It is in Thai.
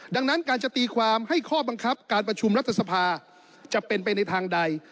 ดังนั้นการจะตีความให้ข้อบังคับการประชุมรัฐสภาจะเป็นไปในทางใด